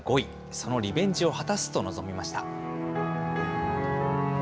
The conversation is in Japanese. そのリベンジを果たすと臨みました。